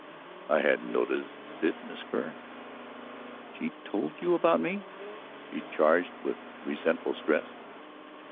"I hadn't noticed it, Miss Kerr." "She told you about me," she charged, with resentful stress.